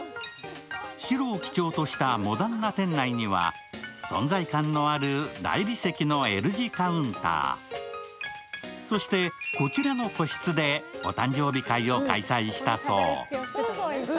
白を基調としたモダンな店内には存在感のある大理石のＬ字カウンター、そして、こちらの個室でお誕生日会を開催したそう。